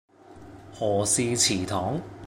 何氏祠堂